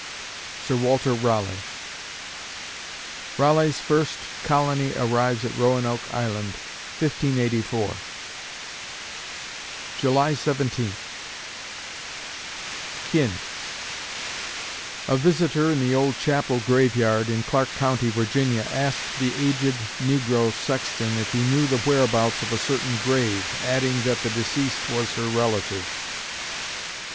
SIR WALTER RALEIGH Raleigh's first colony arrives at Roanoke Island, 1584 July Seventeenth KIN A visitor in the Old Chapel Graveyard, in Clarke County, Virginia, asked the aged negro sexton if he knew the whereabouts of a certain grave, adding that the deceased was her relative.